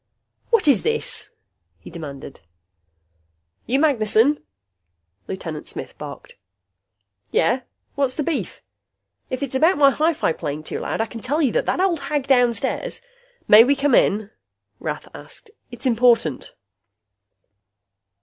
"What is this?" he demanded. "You Magnessen?" Lieutenant Smith barked. "Yeah. What's the beef? If it's about my hi fi playing too loud, I can tell you that old hag downstairs " "May we come in?" Rath asked. "It's important."